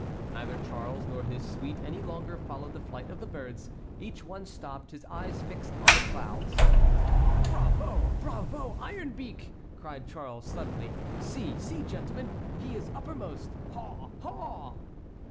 Neither Charles nor his suite any longer followed the flight of the birds. Each one stopped, his eyes fixed on the clouds. "Bravo! Bravo! Iron beak!" cried Charles, suddenly. "See, see, gentlemen, he is uppermost! Haw! haw!"